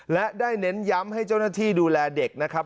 และได้เน้นย้ำให้เจ้าหน้าที่ดูแลเด็กนะครับ